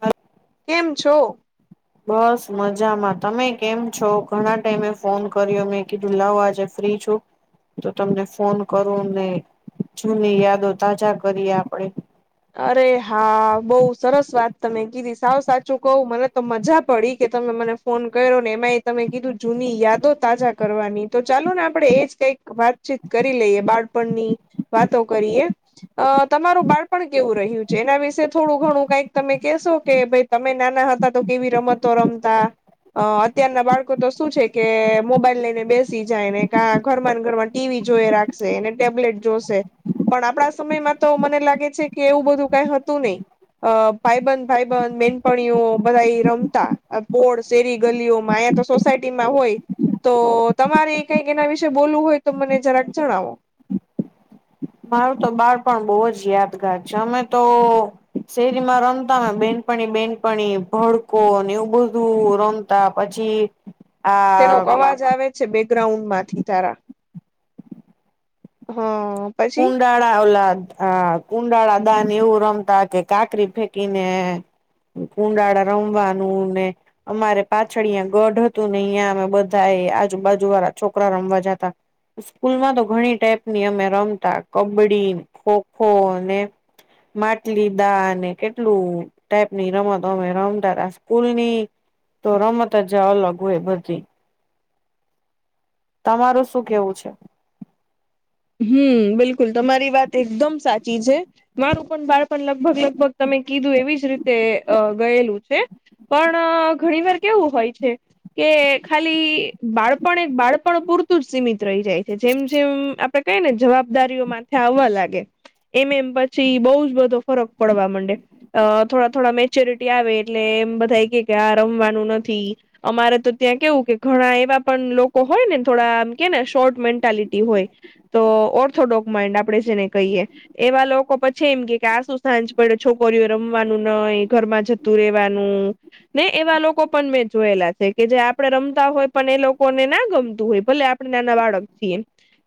હા. કેમ છો? બસ મજામાં તમે કેમ છો ઘણા ટાઈમે ફોન કર્યો મેં કીધું લાવ આજે ફ્રી છું. તો તમને ફોન કરું ને જૂની યાદો તાજા કરીએ આપણેે અરે હા બોવ સરસ વાત તમે કીધી સાવ સાચું કહું મને તો મજા પડી કે તમે મને ફોન કર્યો ને એમાં એ તમે કીધું જૂની યાદો તાજા કરવાની તો ચાલો ને આપડે એજ કઈક વાતચીત કરી લઈએ બાળપણની વાતો કરીએ તમારું બાળપ પણ કેવું રહ્યું છે એના વિશે થોડું ઘણું કઈક તમે કહેશો કે ભાઈ તમે નાના હતા તો કેવી રમતો રમતા? અ અત્યારના બાળકો તો શું છે કે મોબાઈલ લઈને બેસી જાય ને કા ઘરમાં ઘરમાં ટીવી જોઈ રાખશે એને ટેબ્લેટ જોશે પણ આપણા સમયમાં તો મને લાગે છે કે એવું બધું કઈ હતું નય. અ ભાઈબંધ ભાઈબંધ બેનપણીઓ બધા રમતા પોળ શેરી ગલીઓ મા તો સોસાયટીમાં હોય તો તમારે કઈક એના વિશે બોલવું હોય તો મને જરાક જણાવો. મારું તો બાળપણ બહુ જ યાદગાર છે અમે તો શેરીમાં રમતા બેનપણી બેનપણી ભડકો ને એવું બધું રમતા પછી [inaudible] શેનો અવાજ આવે છે બેકગ્રાઉન્ડ માંથી તારા [unintelligible] કુંડા. ઓલા કુંડાળા દાન એવું રમતા કે કાકરી ફેંકીને કુંડાળા રમવાનુંને અમારે પાછળ અં ગઢ હતું ને અહં અમે બધા એ આજુબાજુ વાળા છોકરા રમવા જતા. સ્કૂલમાં તો ઘણી ટાઈપની અમે રમતા કબડ્ડી ખોખો અને માટલી દાને કેટલું ટાઈપ ની રમત અમે રમતા સ્કૂલ ની તો રમત જ અલગ હોય બધી તમારું શું કેહવું છે? હમ બિલકુલ તમારી વાત એકદમ સાચી છે. મારું પણ બાળપણ લગભગ લગભગ તમે કીધું એવી જ રીતે અ ગયેલું છે. પણ ઘણીવાર કેવું હોય છે. કે ખાલી બાળપણ એક બાળપણ પૂરતું જ સીમિત રહી જાય છે જેમ જેમ આપડે કઈ ને જવાબદારીઓ માથે આવવા લાગે. એમ એમ પછી બહુ જ બધો ફરક પડવા માંડે અ થોડા થોડા મેચ્યોરિટી આવે એટલે એમ બધા એ કે કે આ રમવાનું નથી. અમારે તો ત્યાં કેવું, કે ઘણા એવા પણ લોકો હોય ને, થોડા આમ, કેને, શોર્ટ મેન્ટાલિટી હોય. તો ઓર્થોડોક માઇન્ડ આપણે જેને કહીએ. એવા લોકો પછી એમ કે કે આ શું સાંજ પડે છોકરીઓ રમવાનું ન ઘરમાં જ જતું રહેવાનું. ને એવા લોકો પણ મેં જોયેલા છે કે જે આપડે રમતા હોય પણ એ લોકોને ના ગમતું હોય ભલે અત્યારના નાના બાળક છીએ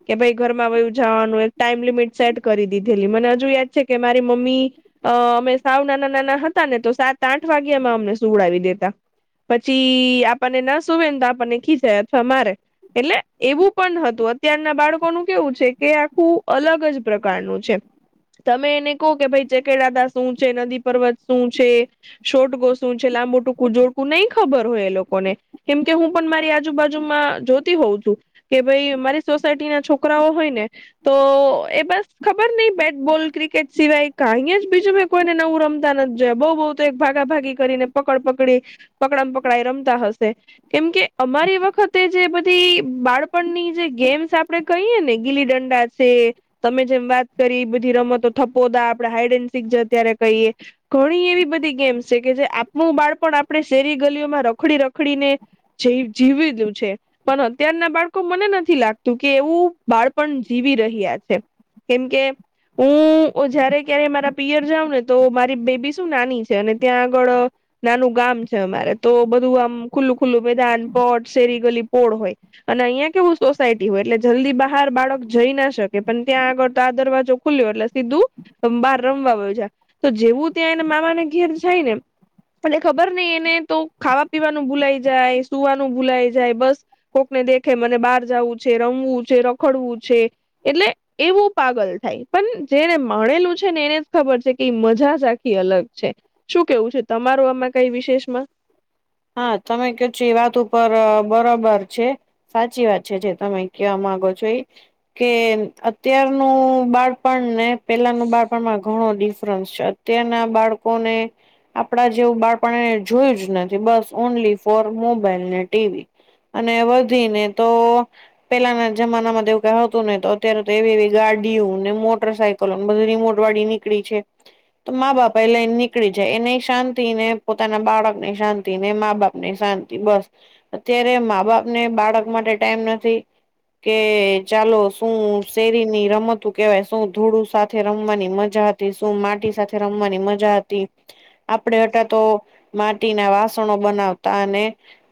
કે ભાઈ? ઘરમાં વહેલું જવાનું એક ટાઈમ લિમિટ સેટ કરી દીધેલી. મને હજુ યાદ છે કે મારી મમ્મી અ અમે સાવ નાના-નાના હતા ને, તો સાત-આઠ વાગે અમે અમને સુુંવડાવી દેતા. પછી આપણને ના સુવે ને, તો આપણને ખીજવાય, અથવા મારે એટલે, એવું પણ હતું અત્યારના બાળકોનું. કેવું છે કે આખું અલગ જ પ્રકારનું છે. તમે એને કહો કે, ભાઈ, ચકેડાદા શું છે, નદી પર્વત શું છે? શોટ, ગોસું છે, લાંબુ-ટૂંકું, જોડકું-નહીં ખબર હોય એ લોકોને. કેમ કે હું પણ મારી આજુબાજુમાં જોતી હોઉ છું કે, ભાઈ, મારી સોસાયટી ના છોકરા છોકરાઓ હોય ને તો એ બસ, ખબર નહીં, બેટ-બોલ, ક્રિકેટ સિવાય કે અહીં જ બીજું કોઈને નવું રમતા ન જ જાય. બઉુ બહુ તો ભાગાભાગી કરીને, પકડ-પકડી. પકડમ-પકડાય રમતા હશે. કેમ કે અમારી વખતે, જે બધી બાળપણની જે ગેમ્સ આપે. કહીએ ને ગીલી ડંડા છે. તમે જેમ વાત કરી, એ બધી રમતો થપોદા, આપડે હાઈડ એન્ડ સીક છે, અત્યારે કહીએ ઘણી એવી બધી ગેમ્સ છે, કે જે આપણું બાળપણ આપણે શેરી-ગલીઓમાં રખડી-રખડીને જ જીવી દયું છે, પણ અત્યાર ના બાળકો, મને નથી લાગતું કે એવું બાળપણ જીવી રહ્યા છે, કેમકે હું જયારે ક્યારે મારા પિયર જાઉં ને, તો મારી બેબી શું નાની છે, અને ત્યાં આગળ નાનું ગામ છે અમારે તો, બધું આમ ખુલ્લું-ખુલ્લું, મેદાન, પટ, શેરી, ગલી, પોળ હોય. અને અહિયાં કેવું સોસાયટી. હોય એટલે જલ્દી બહાર બાળક જઈ ના શકે, પણ ત્યાં આગળ તો આ દરવાજો ખુલ્યો એટલે સીધું બહાર રમવા હોય છે, તો જેવું ત્યાં એને મામાને ઘેર થાય ને એટલે ખબર નઈ, એને તો ખાવા-પીવાનું ભૂલાઈ જાય, સુવાનું ભૂલાઈ જાય, બસ. કોકને દેખે, મને બહાર જવું છે, રમવું છે, રખડવું છે, એટલે એવું પાગલ થાય, પણ જેને માણેલું છે ને, એને જ ખબર છે કે મજા આખી અલગ છે. શું કેવું છે તમારું આમાં કઈ વિશેષ માં? હા, તમે કીધું છો વાત ઉપર, બરોબર છે. સાચી વાત છે, જે તમે કેવા માંગો છો એ. કે અત્યારનું બાળપણ ને પહેલાંનું બાળપણમાં ઘણો ડિફરન્સ છે. ત્યાંના બાળકો ને, આપડા જેવું બાળપણને જોયું જ નથી. બસ, ઓનલી ફોર મોબાઈલ ને ટીવી, અને વધીને તો પેલાના જમાના માં એવું કંઈ હતું ને? તો અત્યારે તો એવી એવી ગાડીઓ ને મોટર સાયકલ બધી રીમોટ વાડી નીકળી છે. તો મા-બાપ પેલે નીકળી જાય, એને શાંતિ ને પોતાના બાળક ને શાંતિ. ને મા-બાપ ની શાંતિ, બસ. અત્યારે મા-બાપ ને બાળક માટે ટાઈમ નથી. કે ચાલો, શું શેરીની રમતું કેવાય, શું ધૂળ સાથે રમવાની મજા હતી. શું માટી સાથે રમવાની મજા હતી, આપડે હતા તો માટી ના વાસણો રસોડો બનાવતા અને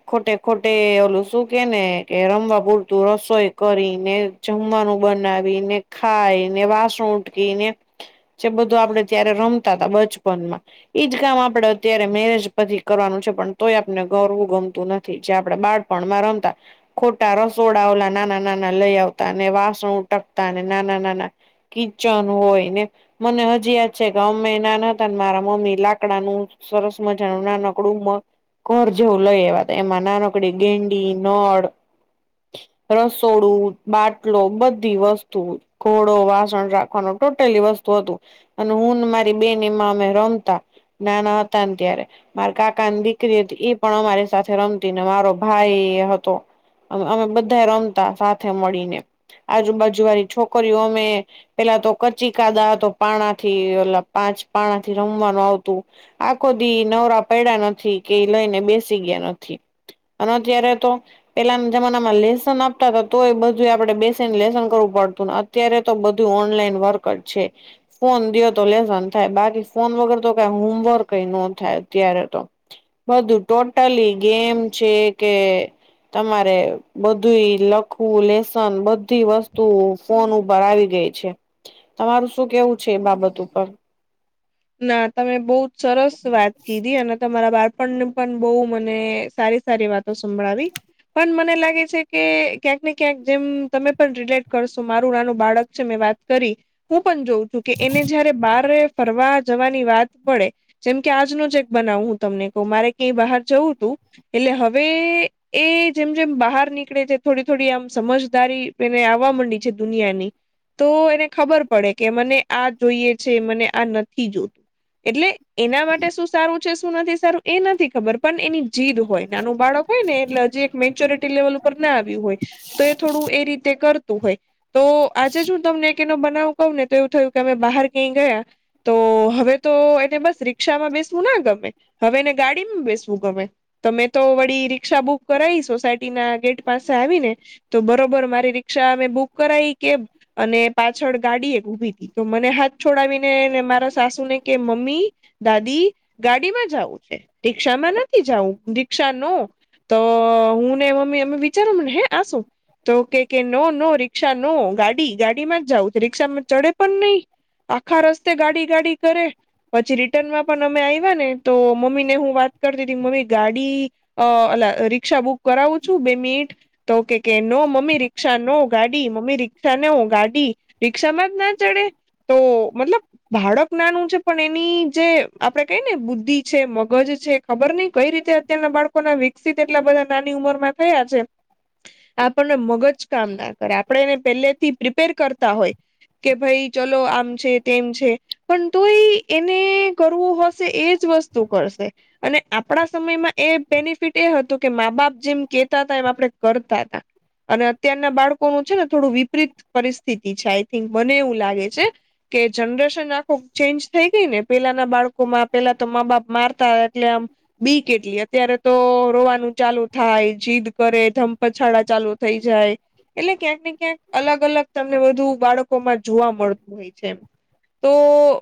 ખોટે ખોટે, ઓલું શું કે ને, કે રમવા પૂરતું રસોઈ કરીને જમવાનું બનાવીને, ખાઈને, વાસણ ઉટકીને જે બધું આપડે ત્યારે રમતા હતા બચપનમાં. ઈજ કામ આપડે અત્યારે મેરેજ પછી કરવાનું છે. પણ તોય આપને ગરવું ગમતું નથી જે આપડણે બાળપણમાં રમતા. ખોટા રસોડા ઓલા નાના નાના લઈ આવતા અને વાસણ ટકતા અને નાના નાના. કિચન હોય ને. મને હજી યાદ છે કે, ગમે એના ન હતા, મારા મમ્મી લાકડાનું સરસ મજા નાનકડું મસ્ત. કોર જેવું લઈ, એવા એમાં નાનકડી ગેંડી નળ. રસોડું, બાટલો, બધી વસ્તુ. ઘોડો વાસણ રાખવાનું ટોટલી વસ્તુ હતું. અને હું ને મારી બેનમાં અમે રમતા નાના હતા ને ત્યારે મારા કાકા ને દી. હતી પણ અમારી સાથે રમતી ને મારો ભાઈ હતો. અમે બધા રમતા સાથે મળીને આજુબાજુ વારી છોકરીઓ અમે. પેલા તો કચી કાદા તો પાણા થી ઓલા પાંચ પાણા થી રમવાનું આવતું. આખો દી નવરા પડ્યા નથી કે લઈને બેસી ગયા નથી. અને અત્યારે તો. પેલાના જમાનામાં લેસન આપતા હતા તોય બધું આપડે બેસીને લેસન કરવું પડતું. અત્યારે તો બધું ઓનલાઈન વર્ક જ છે. ફોન દયો તો લેસન થાય બાકી ફોન વગર તો કઈ હોમવર્ક કઈ ન થાય અત્યારે તો. બધું ટોટલી ગેમ છે કે. તમારે બધું લખવું લેસન બધી વસ્તુઓ. ફોન ઉપર આવી ગઈ છે તમારું શું કેવું છે એ બાબત ઉપર. ના તમે બહુ જ સરસ વાત. કીધી અને તમારા બાળપણને પણ બહુ મને સારી સારી વાતો સંભળાવી. પણ મને લાગે છે કે ક્યાંક ને ક્યાંક જેમ તમે પણ રિલેટ કરશો મારું નાનું બાળક છે મેં વાત. કરી હું પણ જોઉં છું કે એને જયારે બારે ફરવા. જવાની વાત પડે જેમ કે આજનો જ એક બનાવું હું તમને કહું મારે ક્યાંય બહાર જવું તું. એટલે હવે એ જેમ જેમ બહાર નીકળે છે થોડી થોડી આમ સમજદારી. એને આવવા માંડી છે દુનિયાની. તો એને ખબર પડે કે મને આ જોઈએ છે મને આ ન. થી જોતું એટલે એના માટે શું સારું. શું સારું એ નથી ખબર પણ એની જીદ હોય નાનું બાળક હોય ને એટલે હજી એક મેચ્યોરિટી લેવલ. ઉપ ના આવ્યું હોય તો એ થોડું એ રીતે કરતું હોય. તો આજે જ હું તમને એનો બનાવું કહું ને તો એવું થયું કે અમે બહાર કંઈ ગયા. તો હવે તો એને બસ રિક્ષામાં બેસવું ના ગમે હવે એને ગાડીમાં બેસવું ગમે. તો મેં તો વળી રિક્ક્ષા બુક કરાવી સોસાયટી ના ગેટ પાસે આવી ને. તો બરોબર મારી રિક્ષા અમે બુક કરાઈ કે. અને પાછળ ગાડી એક ઉભી થી તો મને હાથ છોડાવીને. મારા સાસુ ને કે મમ્મી. દાદી ગાડીમાં જવું છે રિક્ષા માં નથી જવું રિક્ષા નો. તો હું ને મમ્મી અમે વિચારો મને હે આસુ. તો કે કે નો નો રી્ષા નો ગાડી ગાડીમાં જ જઉં રિક્ષામાં ચડે પણ નહી. આખા રસ્તે ગાડી ગાડી કરે. પછી રિટર્નમાં પણ અમે આવ્યા ને તો મમ્મી ને હું વાત કરતી હતી મમ્મી ગાડી. અ એ રિક્ષા બુક કરાવું છું બે મિનિટ. તોકે કે નો મમ્મી રિક્ષા નો ગાડી મમ્મી રિક્ષા નવ ગાડી. રિક્ષામાં જ ના ચડે તો મતલબ. બાળક નાનું છે પણ એની જે આપડે કઈ ને બુદ્ધિ છે મગજ છે ખબર નહ કઈ રીતે. અત્યના બાળકો ના વિકસિત એટલા બધા નાની ઉમરમાં થયા છે. આપણને મગજ કામ ના કરે આપણે એને પહેલે થી પ્રિપેર કરતા હોય. કે ભાઈ ચલો આમ છે. તેમ છે પણ તોય એને કરવું હશે એજ વસ્તુ કરશે. અને આપણા સમયમાં એ બેનિફિટ એ હતું કે મા બાપ જેમ કેતા હતા એમ આપડણે કરતા હતા. અને અત્યારના બાળકોનું છે ને થોડું વિપરીત પરિસ્થિતિ છે આઈ થિંક મને એવું લાગે છે. કે જનરેશન આખું ચેન્જ થઈ ગઈ ને પેલાના બાળકોમાં પેલા તો મા બાપ મારતા એટલે આમ બીક એટલી અત્યારે તો રોવાનું ચાલુ થાય જીદ કરે ધમપછાળા ચાલુ. થઈ જાય એટલે ક્યાંક ને ક્યાંક અલગ અલગ તમને બધુ બાળકોમાં જોવા મળતું હોય. છેમ. તો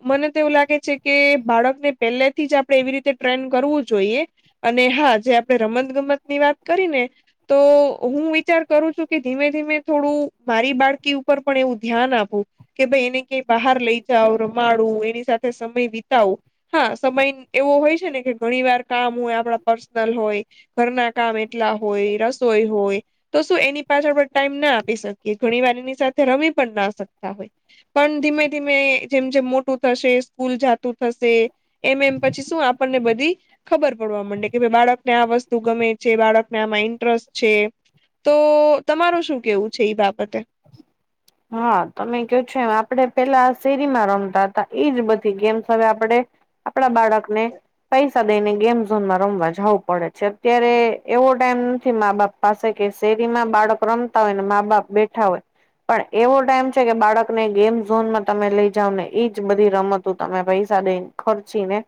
મને તો એવું લાગે છે કે બાળકને પહેલેથી જ આપણે એવી રીતે ટ્રેન કરવું જોઈએ. અને હા જે આપણે રમત ગમત ની વાત કરી ને તો હું વિચાર કરું છું કે ધીમે ધીમે થોડું મારી બાળકી ઉપર પણ એવું ધ્યાન આપું કે ભાઈ એને કઈ બહાર લઈ જાવ રમાડું એની સાથે સમય વિતાવુ. હા સમય એવો હોય છે ને કે ઘણી વાર કામ હોય આપણા પર્સનલ હોય ઘરના કામ એટલા હોય રસોઈ હોય તો શું એની પાછળ પણ ટાઈમ ના આપી શકીએ ઘણી વાર એની સાથે રમી પણ ના શકતા. પણ ધીમે ધીમે જેમ જેમ મોટું થશે સ્કૂલ જાતું થશે એમ એમ પછી શું આપણને બધી ખબર પડવા માંડે કે ભાઈ બાળકને આ વસ્તુ ગમે છે બાળકને આમાં ઇન્ટરેસ્ટ છે. તો તમારું શું કેવું છે ઈ બાબતે? હા તમે કયો છો એમ આપડે પેલા શેરીમાં રમતા હતા એજ બધી ગેમ્સ હવે આપડે આપણા બાળક ને ફીસ દઈને ગેમ ઝોનમાં રમવા જાવું પડે છે. અત્યારે એવો ટાઈમ નથી મા બાપ ને પાસે કે શેરીમાં બાળક રમતા હોય ને મા બાપ બેઠા હોય. પણ એવો ટાઈમ છે કે બાળકને ગેમ ઝોનમાં તમે લઈ જાવ ને ઈજ બધી રમતો તમે પૈસા દઈને ખર્ચી ને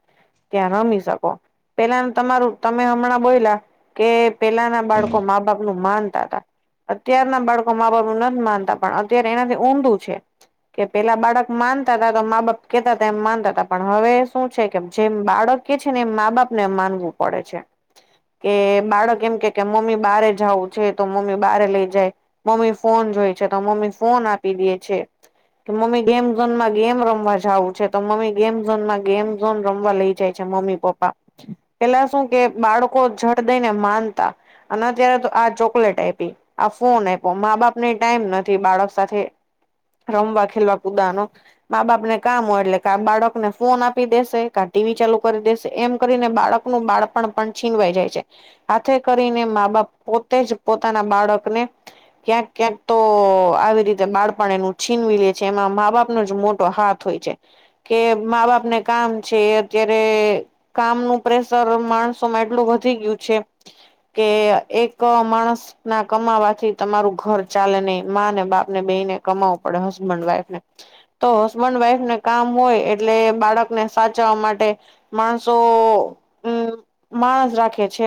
ત્યાં રમી શકો પેલાનુ તમારું તમે હમણાં બોયલા કે પેલાના બાળકો મા બાપ નું માનતા તા. અત્યારના બાળકો મા બાપ નુ નથી માનતા પણ અત્યારે એનાથી ઊંધું છે. કે પેલા બાળક માનતા હતા તો મા બાપ કેતા હતા એમ માનતા હતા પણ હવે શું છે કે જેમ બાળક કે છે ને મા બાપ ને માનવું પડે છે. કે બાળક એમ કે કે મમ્મી બહારે જાવું છે તો મમ્મી બહારે લઈ જાય. મમ્મી ફોન જોય છે તો મમ્મી ફોન આપી દે છે. કે મમ્મી ગેમ ઝોન માં ગેમ રમવા જવું છે તો મમ્મી ગેમ ઝોન માં ગેમ ઝોન રમવા લઇ જાય. મમ્મી પપ્પા પેલા શું કે બાળકો જળ દઈને માનતા. અને અત્યારે તો આ ચોકલેટ આપી આ ફોન આપ્યો મા બાપ ને ટાઈમ નથી. બાળક સાથે રમવા ખેલવા કુદાનો મા બાપ ને કામ હોય એટલે કા બાળકને ફોન આપી દેશે કા ટીવી ચાલુ કરી દેશે એમ કરીને બાળક નું બાળપણ પણ છીનવાઈ જાય છે. હાથે કરીને મા બાપ પોતે જ પોતાના બાળકને ક્યાંક ક્યાંક તો તો આવી રીતે બાળપણ એનુ છીનવી લે છે એમાં મા બાપનો જ મોટો હાથ હોય છે. કે મા બાપ ને કામ છે અત્યારે કામનું પ્રેશર માણસો માં એટલું વધી ગયું છે. કે એક માણસ ના કમાવાથી તમારું ઘર ચાલે નહીં. મા ને બાપ ને બે ને કમાવું પડે હસબન્ડ વાઈફ ને. તો હસબન્ડ વાઈફને કામ હોય એટલે બાળકને સાચવા માટે માણસો હમ્મ માણસ રાખે છે.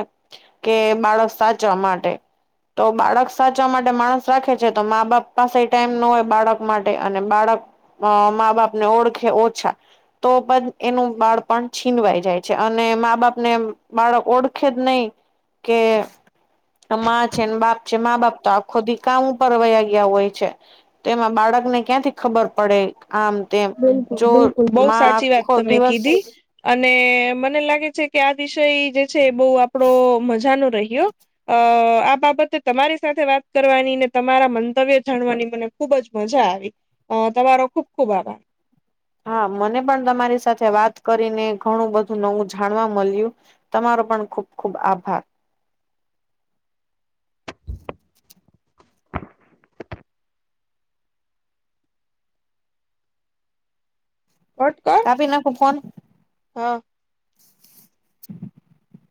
કે બાળક સાચવા માટે તો બાળક સાચવા માટે માણસ રાખે તો મા બાપ પાસે ટાઈમ ના હોય બાળક માટે અને બાળક અ મા બાપને ઓળખે ઓછા. તો એનું બાળ પણ છીનવાઈ જાય છે અને મા બાપને બાળક ઓળખે જ નહીં કે મા છેને બાપ છે મા બાપ તો આખો દી કામ ઊપરવાયા ગયા હોય છે. તેમાં બાળકને ક્યાંથી ખબર પડે આમ તેમ બિલકુલ જો બિલકુલ બઉુ માં સાચી વાત આખો તમે દિવસ કીધી. અને મને લાગે છે કે આ દિષય જે છે બવ આપડો મજાનો રહ્યો. અ આ બાબતે તમારી સાથે વાત કરવાની ને તમારા મંતવ્ય જાણવાની મને ખૂબ જ મજા આવી. અ તમારો ખુબ ખુબ આભાર. હા મને પણ તમારી સાથે વાત કરીને ઘણું બધું નવું જાણવા મળ્યું. તમારો પણ ખુબ ખુબ આભાર. પણ તો કાપી નાખું ફોન [inaudible]